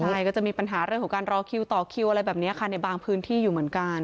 ใช่ก็จะมีปัญหาเรื่องของการรอคิวต่อคิวอะไรแบบนี้ค่ะในบางพื้นที่อยู่เหมือนกัน